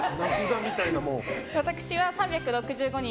私は３６５日